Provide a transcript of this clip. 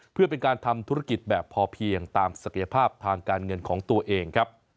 เพื่อเป็นการทำธุรกิจแบบพอเพียงตามศักยภาพทางการเงินของตัวเองครับ